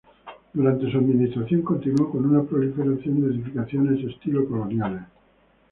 Durante su administración continuó con una proliferación de edificaciones estilo coloniales.